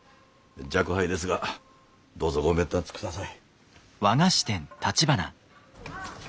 若輩ですがどうぞごべんたつください。